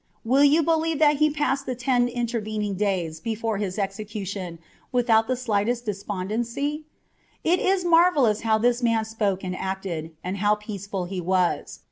Will yon believe that he passed the ten intervening days before his execution without the slightest despondency ? it is marvellous how that man spoke and acted, and how peaceful he was.